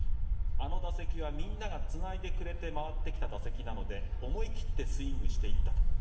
あの打席はみんながつないでくれて回ってきた打席なので思い切ってスイングしていったと。